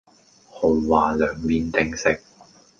豪華涼麵定食